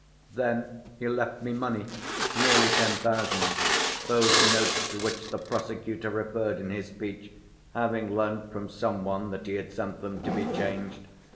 Then he left me money, nearly ten thousand—those notes to which the prosecutor referred in his speech, having learnt from some one that he had sent them to be changed.